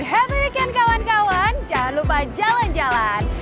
happy kan kawan kawan jangan lupa jalan jalan